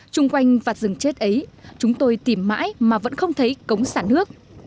chung quanh vạt rừng chết ấy chúng tôi tìm mãi mà vẫn không thấy cống xả nước